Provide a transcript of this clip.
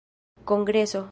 kongreso